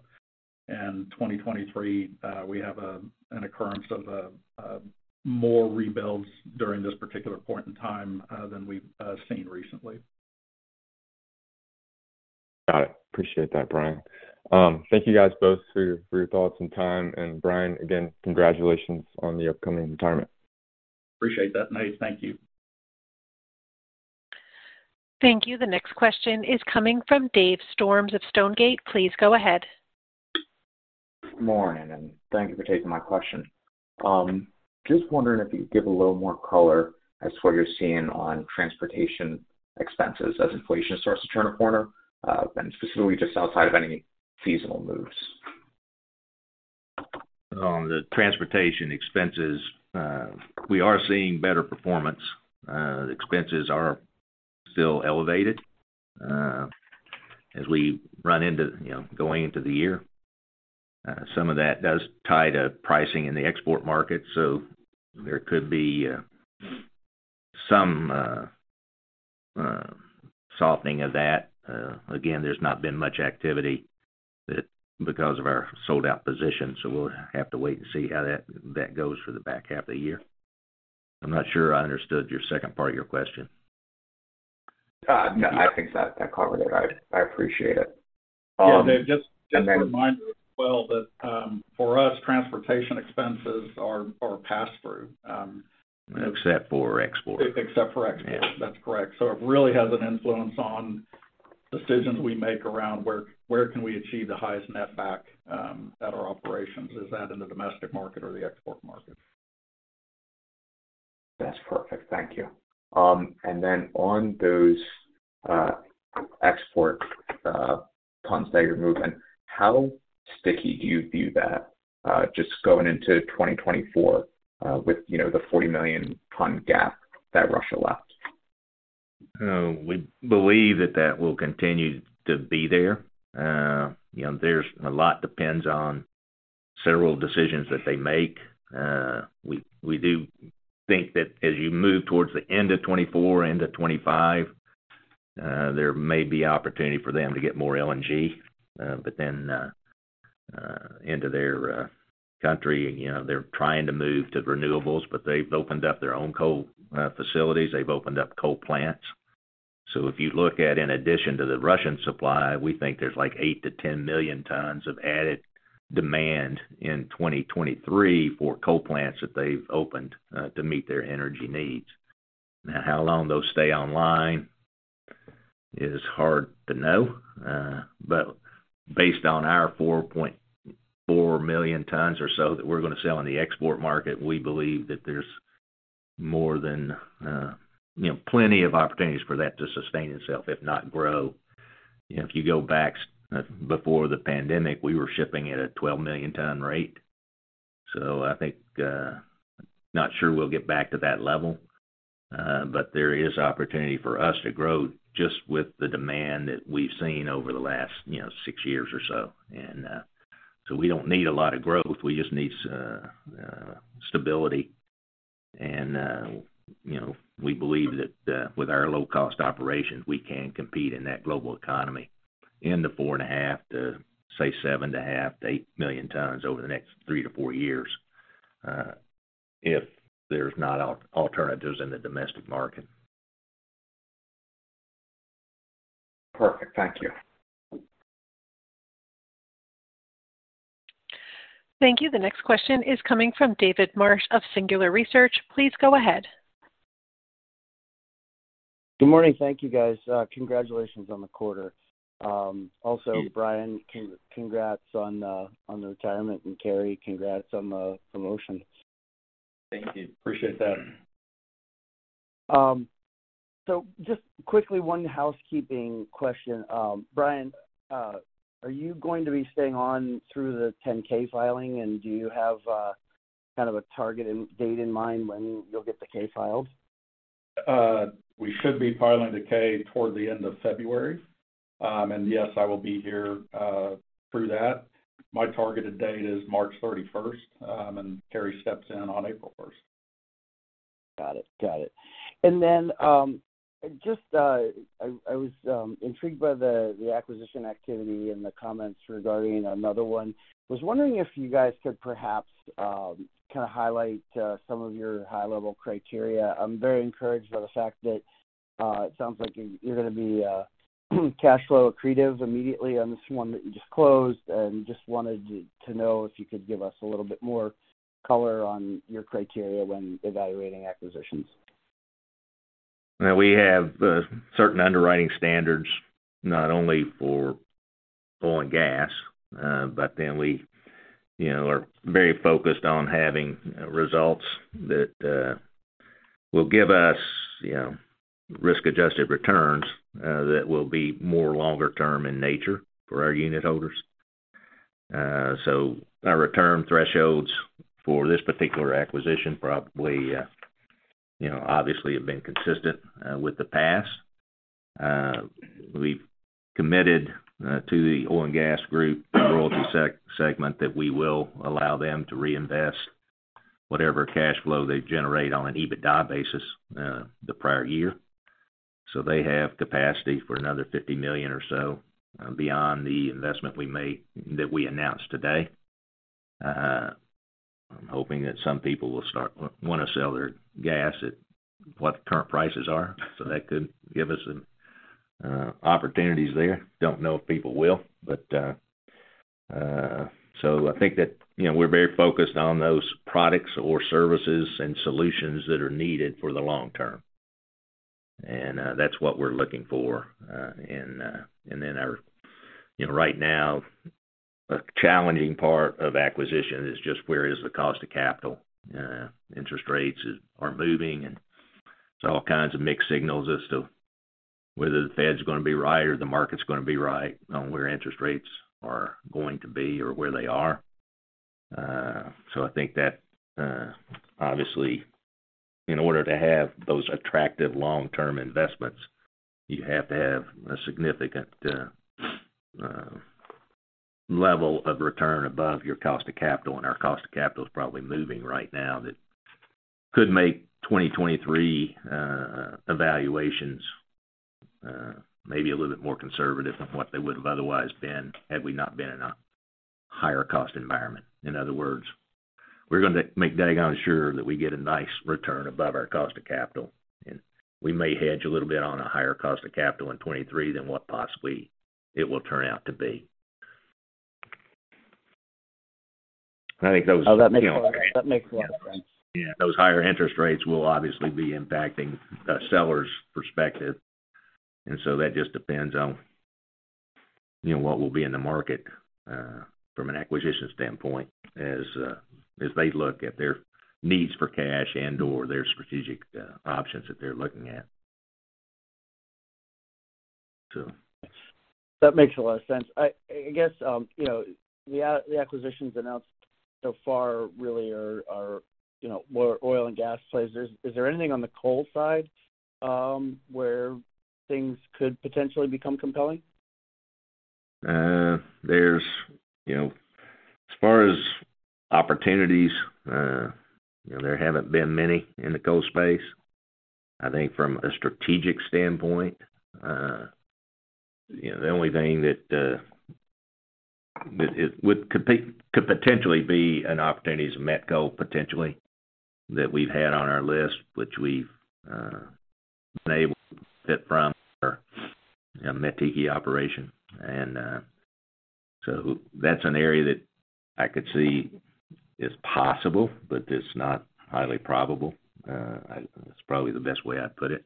And 2023, uh, we have, um, an occurrence of, uh, um, more rebuilds during this particular point in time, uh, than we've, uh, seen recently. Got it. Appreciate that, Brian. Thank you guys both for your, for your thoughts and time. Brian, again, congratulations on the upcoming retirement. Appreciate that, Nate. Thank you. Thank you. The next question is coming from David Storms of Stonegate. Please go ahead. Morning, and thank you for taking my question. Just wondering if you could give a little more color as to what you're seeing on transportation expenses as inflation starts to turn a corner, and specifically just outside of any seasonal moves. On the transportation expenses, we are seeing better performance. The expenses are still elevated, as we run into, you know, going into the year. Some of that does tie to pricing in the export market, so there could be some softening of that. There's not been much activity because of our sold-out position, so we'll have to wait and see how that goes for the back half of the year. I'm not sure I understood your second part of your question. No, I think that covered it. I appreciate it. Yeah. David. And then- Just a reminder as well that for us, transportation expenses are pass-through. Except for export. Except for export. Yeah. That's correct. It really has an influence on decisions we make around where can we achieve the highest net back at our operations. Is that in the domestic market or the export market? That's perfect. Thank you. On those export tons that you're moving, how sticky do you view that just going into 2024, with, you know, the 40 million ton gap that Russia left? We believe that that will continue to be there. You know, a lot depends on several decisions that they make. We do think that as you move towards the end of 2024, end of 2025, there may be opportunity for them to get more LNG. Into their country, you know, they're trying to move to renewables, but they've opened up their own coal facilities. They've opened up coal plants. If you look at in addition to the Russian supply, we think there's like 8-10 million tons of added demand in 2023 for coal plants that they've opened to meet their energy needs. Now, how long those stay online is hard to know. Based on our 4.4 million tons or so that we're gonna sell in the export market, we believe that there's more than, you know, plenty of opportunities for that to sustain itself, if not grow. You know, if you go back before the pandemic, we were shipping at a 12 million ton rate. I think, not sure we'll get back to that level. There is opportunity for us to grow just with the demand that we've seen over the last, you know, six years or so. We don't need a lot of growth. We just need stability. You know, we believe that with our low-cost operations, we can compete in that global economy in the 4.5 to, say, 7.5 million-8 million tons over the next 3-4 years, if there's not alternatives in the domestic market. Perfect. Thank you. Thank you. The next question is coming from David Marsh of Singular Research. Please go ahead. Good morning. Thank you, guys. Congratulations on the quarter. Also, Brian, congrats on the retirement, and Cary, congrats on the promotion. Thank you. Appreciate that. Just quickly, one housekeeping question. Brian, are you going to be staying on through the Form 10-K filing, and do you have, kind of a target date in mind when you'll get the K filed? We should be filing the K toward the end of February. Yes, I will be here through that. My targeted date is March thirty-first, Cary steps in on April first. Got it. Got it. Then, just, I was intrigued by the acquisition activity and the comments regarding another one. I was wondering if you guys could perhaps, kind of highlight, some of your high-level criteria? I'm very encouraged by the fact that, it sounds like you're gonna be cash flow accretive immediately on this one that you just closed. Just wanted to know if you could give us a little bit more color on your criteria when evaluating acquisitions? We have certain underwriting standards not only for oil and gas, but then we, you know, are very focused on having results that will give us, you know, risk-adjusted returns that will be more longer term in nature for our unitholders. Our return thresholds for this particular acquisition probably, you know, obviously have been consistent with the past. We've committed to the oil and gas group royalty segment that we will allow them to reinvest whatever cash flow they generate on an EBITDA basis, the prior year. They have capacity for another $50 million or so beyond the investment that we announced today. I'm hoping that some people will wanna sell their gas at what the current prices are, so that could give us some opportunities there. Don't know if people will, but. I think that, you know, we're very focused on those products or services and solutions that are needed for the long term. That's what we're looking for. Our, you know, right now, a challenging part of acquisition is just where is the cost of capital. Interest rates are moving, and there's all kinds of mixed signals as to whether the Fed's gonna be right or the market's gonna be right on where interest rates are going to be or where they are. I think that, obviously, in order to have those attractive long-term investments, you have to have a significant level of return above your cost of capital, and our cost of capital is probably moving right now. That could make 2023 evaluations maybe a little bit more conservative than what they would've otherwise been, had we not been in a higher cost environment. In other words, we're gonna make dead gone sure that we get a nice return above our cost of capital. We may hedge a little bit on a higher cost of capital in 2023 than what possibly it will turn out to be. Oh, that makes a lot of sense. Yeah. Those higher interest rates will obviously be impacting a seller's perspective. That just depends on, you know, what will be in the market, from an acquisition standpoint as they look at their needs for cash and/or their strategic options that they're looking at. That makes a lot of sense. I guess, you know, the acquisitions announced so far really are, you know, more oil and gas plays. Is there anything on the coal side, where things could potentially become compelling? There's, you know. As far as opportunities, you know, there haven't been many in the coal space. I think from a strategic standpoint, you know, the only thing that could potentially be an opportunity is met coal, potentially, that we've had on our list, which we've been able to fit from our Mettiki operation. That's an area that I could see is possible, but it's not highly probable. That's probably the best way I'd put it.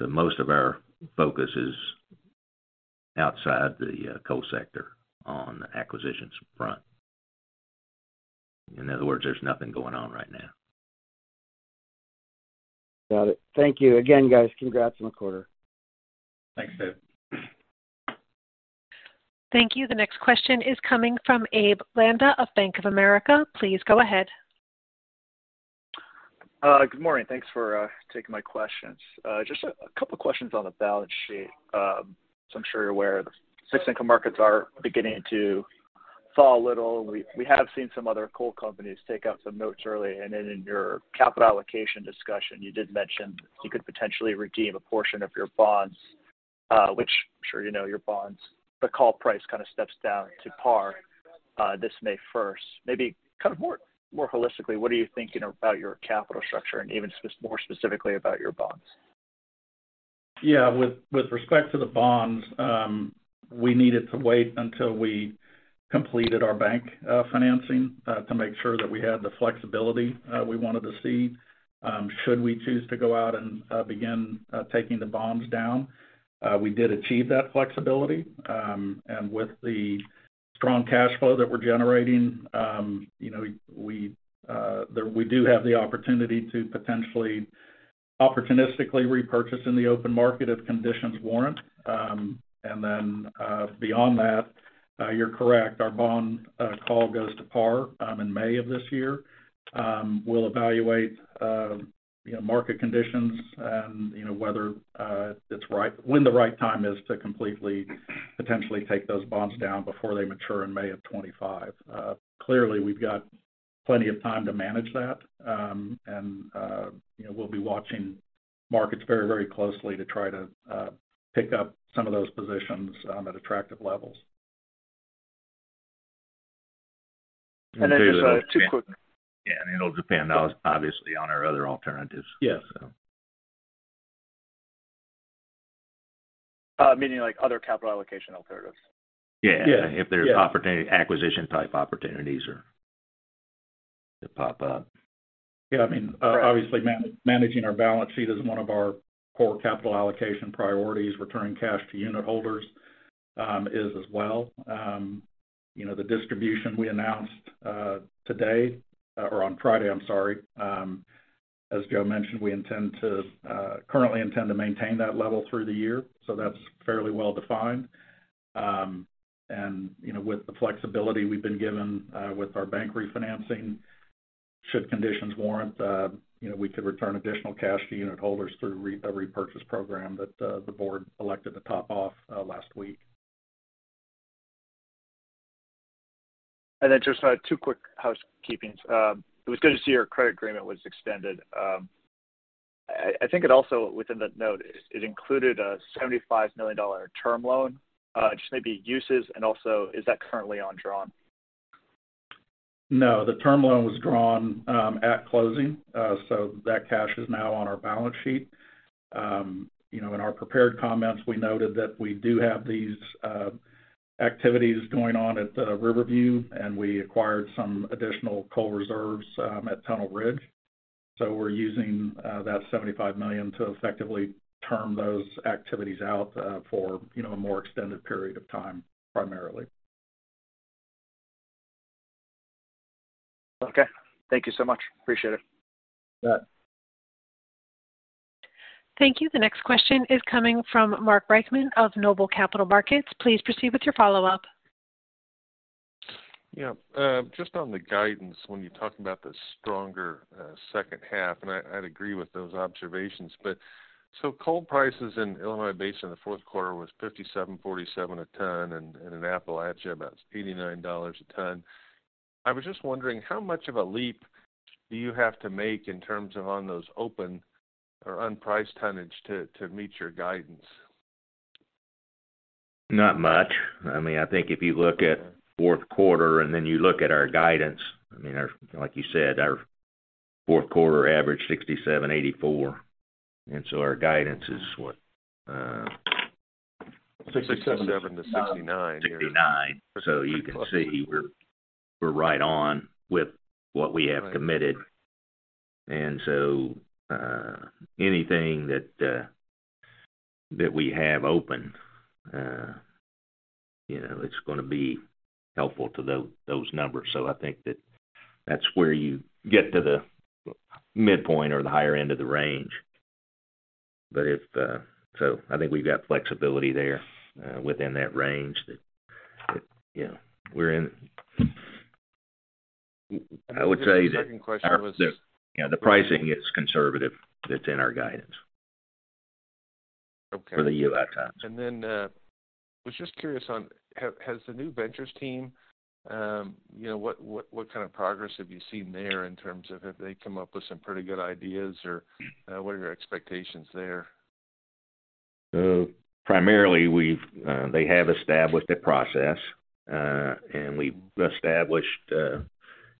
Most of our focus is outside the coal sector on the acquisitions front. In other words, there's nothing going on right now. Got it. Thank you. Again, guys, congrats on the quarter. Thanks, David. Thank you. The next question is coming from Abe Landa of Bank of America. Please go ahead. Good morning. Thanks for taking my questions. Just a couple questions on the balance sheet. I'm sure you're aware the fixed income markets are beginning to saw a little. We have seen some other coal companies take up some notes early. In your capital allocation discussion, you did mention you could potentially redeem a portion of your bonds, which I'm sure you know your bonds, the call price kind of steps down to par, this May first. Maybe kind of more holistically, what are you thinking about your capital structure and even more specifically about your bonds? Yeah. With respect to the bonds, we needed to wait until we completed our bank financing to make sure that we had the flexibility we wanted to see, should we choose to go out and begin taking the bonds down. We did achieve that flexibility. With the strong cash flow that we're generating, you know, we do have the opportunity to potentially opportunistically repurchase in the open market if conditions warrant. Beyond that, you're correct. Our bond call goes to par in May of this year. We'll evaluate, you know, market conditions and, you know, whether when the right time is to completely potentially take those bonds down before they mature in May of 25. Clearly, we've got plenty of time to manage that. You know, we'll be watching markets very, very closely to try to pick up some of those positions at attractive levels. Just, two quick-. Yeah, it'll depend obviously on our other alternatives. Yeah. So... Meaning like other capital allocation alternatives? Yeah. Yeah. If there's opportunity, acquisition type opportunities or to pop up. I mean, obviously managing our balance sheet is one of our core capital allocation priorities. Returning cash to unit holders is as well. You know, the distribution we announced today or on Friday, I'm sorry. As Joe mentioned, we intend to currently intend to maintain that level through the year, so that's fairly well-defined. You know, with the flexibility we've been given with our bank refinancing should conditions warrant, you know, we could return additional cash to unit holders through a repurchase program that the board elected to top off last week. Just two quick housekeepings. It was good to see your credit agreement was extended. I think it also within the note, it included a $75 million term loan. Just maybe uses and also is that currently undrawn? The term loan was drawn at closing. That cash is now on our balance sheet. You know, in our prepared comments, we noted that we do have these activities going on at Riverview, and we acquired some additional coal reserves at Tunnel Ridge. We're using that $75 million to effectively term those activities out for, you know, a more extended period of time, primarily. Okay. Thank you so much. Appreciate it. You bet. Thank you. The next question is coming from Mark Reichman of Noble Capital Markets. Please proceed with your follow-up. Yeah. Just on the guidance, when you talk about the stronger second half, and I'd agree with those observations. Coal prices in Illinois Basin in the fourth quarter was $57.47 a ton and in Appalachia about $89 a ton. I was just wondering how much of a leap do you have to make in terms of on those open or unpriced tonnage to meet your guidance? Not much. I mean, I think if you look at fourth quarter and then you look at our guidance, I mean, our, like you said, our fourth quarter average $67.84. Our guidance is what? $67-$69. $69. You can see we're right on with what we have committed. Anything that we have open, you know, it's gonna be helpful to those numbers. I think that that's where you get to the midpoint or the higher end of the range. If, I think we've got flexibility there, within that range that, you know, we're in. I would say that. The second question was- Yeah, the pricing is conservative within our guidance. Okay. For the UI tons. Was just curious on has the new ventures team, you know, what kind of progress have you seen there in terms of have they come up with some pretty good ideas or, what are your expectations there? Primarily we've, they have established a process, and we've established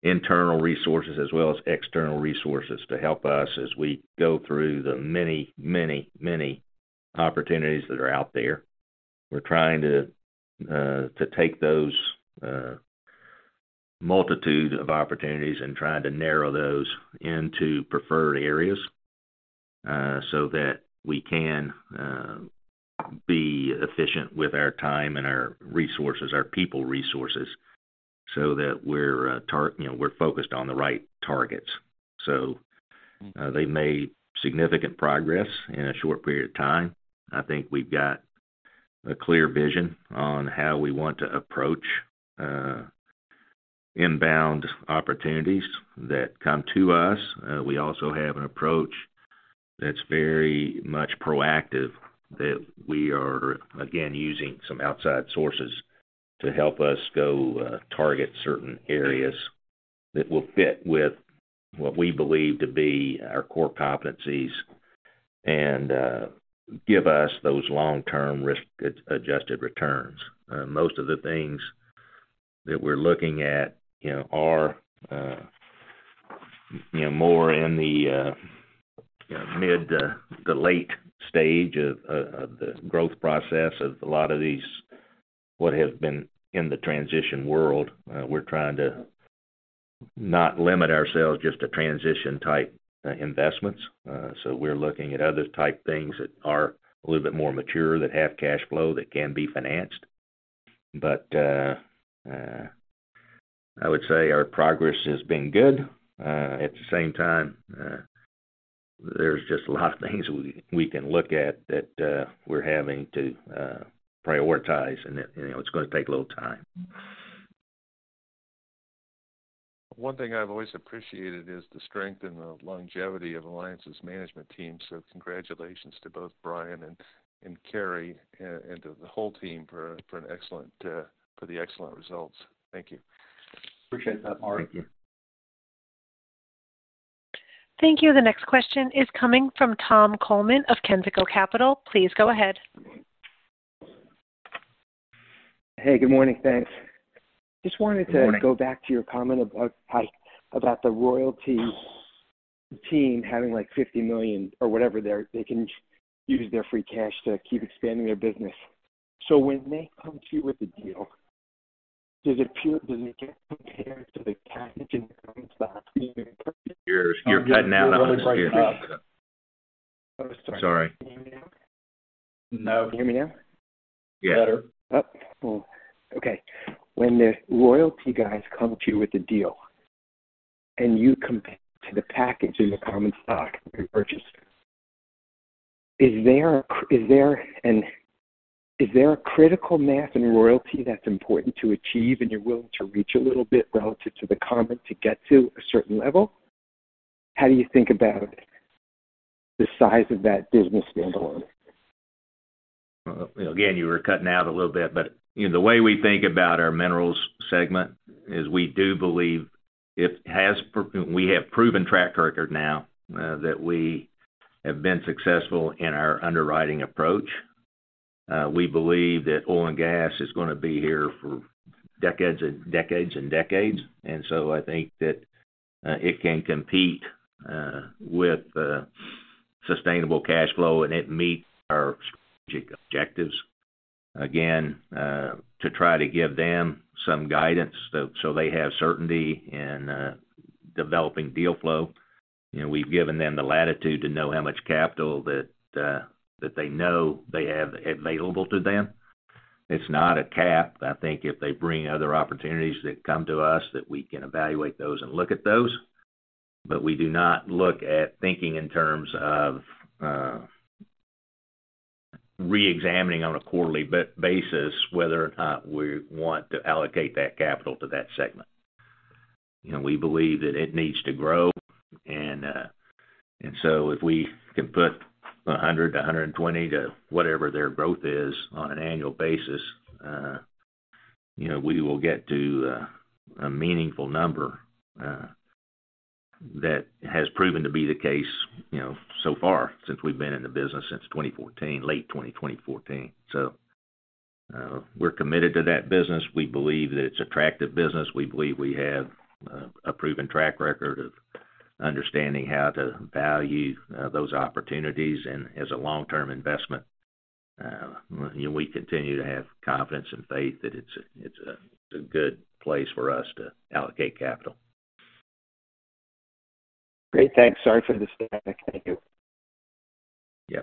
internal resources as well as external resources to help us as we go through the many, many, many opportunities that are out there. We're trying to to take those multitude of opportunities and trying to narrow those into preferred areas, so that we can be efficient with our time and our resources, our people resources, so that we're, you know, we're focused on the right targets. They made significant progress in a short period of time. I think we've got a clear vision on how we want to approach Inbound opportunities that come to us. We also have an approach that's very much proactive, that we are again using some outside sources to help us go target certain areas that will fit with what we believe to be our core competencies and give us those long-term risk-adjusted returns. Most of the things that we're looking at, you know, are, you know, more in the mid to late stage of the growth process. A lot of these, what have been in the transition world, we're trying to not limit ourselves just to transition type investments. We're looking at other type things that are a little bit more mature, that have cash flow, that can be financed. I would say our progress has been good. At the same time, there's just a lot of things we can look at that, we're having to prioritize, and, you know, it's gonna take a little time. One thing I've always appreciated is the strength and the longevity of Alliance's management team, so congratulations to both Brian and Cary, and to the whole team for an excellent for the excellent results. Thank you. Appreciate that, Mark. Thank you. Thank you. The next question is coming from Tom Coleman of Kensico Capital. Please go ahead. Hey, good morning. Thanks. Good morning. Go back to your comment about the royalty team having, like, $50 million or whatever there. They can use their free cash to keep expanding their business. When they come to you with the deal, does it get compared to the package in their own stock being purchased? You're cutting out a little bit here. Oh, sorry. Sorry. Can you hear me now? No. Can you hear me now? Yes. Better? Oh, cool. Okay. When the royalty guys come to you with the deal, you compare to the package in the common stock you purchased, is there a critical mass in royalty that's important to achieve and you're willing to reach a little bit relative to the common to get to a certain level? How do you think about the size of that business standalone? Again, you were cutting out a little bit, but, you know, the way we think about our minerals segment is we do believe it has we have proven track record now that we have been successful in our underwriting approach. We believe that oil and gas is gonna be here for decades and decades and decades. I think that it can compete with sustainable cash flow, and it meets our strategic objectives. Again, to try to give them some guidance so they have certainty in developing deal flow, you know, we've given them the latitude to know how much capital that they know they have available to them. It's not a cap. I think if they bring other opportunities that come to us, that we can evaluate those and look at those. We do not look at thinking in terms of reexamining on a quarterly basis whether or not we want to allocate that capital to that segment. You know, we believe that it needs to grow, and so if we can put 100-120 to whatever their growth is on an annual basis, you know, we will get to a meaningful number that has proven to be the case, you know, so far since we've been in the business, since 2014, late 2014. We're committed to that business. We believe that it's attractive business. We believe we have a proven track record of understanding how to value those opportunities. As a long-term investment, you know, we continue to have confidence and faith that it's a good place for us to allocate capital. Great. Thanks. Sorry for the static. Thank you. Yeah.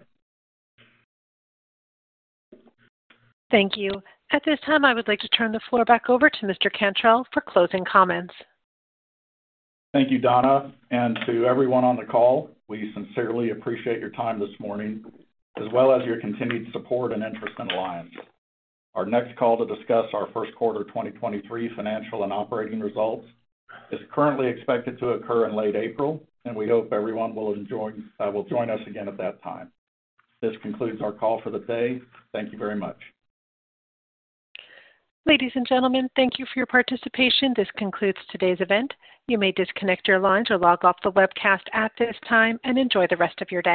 Thank you. At this time, I would like to turn the floor back over to Mr. Cantrell for closing comments. Thank you, Donna. To everyone on the call, we sincerely appreciate your time this morning, as well as your continued support and interest in Alliance. Our next call to discuss our first quarter 2023 financial and operating results is currently expected to occur in late April, and we hope everyone will join us again at that time. This concludes our call for the day. Thank you very much. Ladies and gentlemen, thank you for your participation. This concludes today's event. You may disconnect your line or log off the webcast at this time, and enjoy the rest of your day.